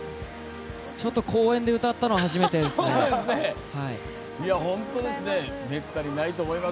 ちょっと公園で歌ったのは初めてですね。